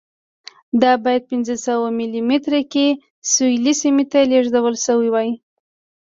دا باید پنځه سوه مایل مترۍ کې سویل سیمې ته لېږدول شوې وای.